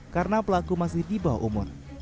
karena pelaku masih di bawah umur